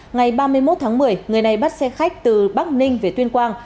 ngày ba mươi một tháng một mươi người này bắt xe khách từ bắc ninh về tuyên quang